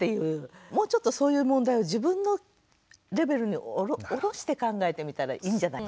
もうちょっとそういう問題を自分のレベルに下ろして考えてみたらいいんじゃない？